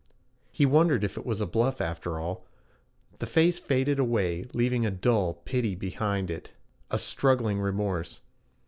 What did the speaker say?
He wondered if it was a bluff, after all. The face faded away leaving a dull pity behind it, a struggling remorse.